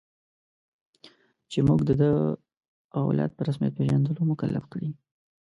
چې موږ د ده او اولاد په رسمیت پېژندلو مکلف کړي.